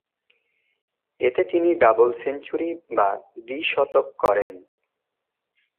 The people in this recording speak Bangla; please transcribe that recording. এতে তিনি ডাবল সেঞ্চুরি বা দ্বি-শতক করেন।